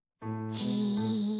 じ。